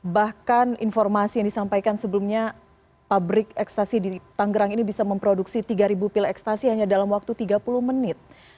bahkan informasi yang disampaikan sebelumnya pabrik ekstasi di tanggerang ini bisa memproduksi tiga pil ekstasi hanya dalam waktu tiga puluh menit